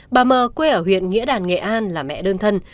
bà mờ quê ở huyện nghĩa đàn nghệ an là mẹ đơn thân